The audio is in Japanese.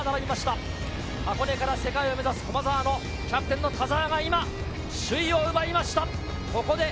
箱根から世界を目指す駒澤のキャプテン・田澤が首位を奪いました。